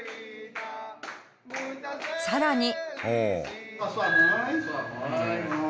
さらに。